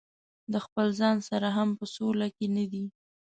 د خپل ځان سره هم په سوله کې نه دي.